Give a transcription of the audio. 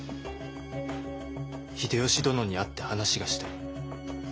秀吉殿に会って話がしたい。